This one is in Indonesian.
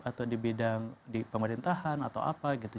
atau di bidang di pemerintahan atau apa gitu